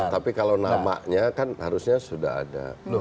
tapi kalau namanya kan harusnya sudah ada